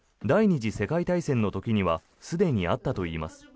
第２次世界大戦の時にはすでにあったといいます。